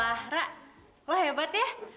wah rak wah hebat ya